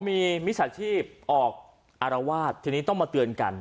มีมิจฉาชีพออกอารวาสทีนี้ต้องมาเตือนกัน